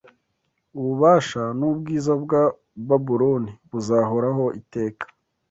ububasha n’ubwiza bwa Babuloni buzahoraho iteka!